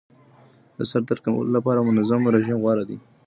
د سردرد کمولو لپاره منظم رژیم غوره دی.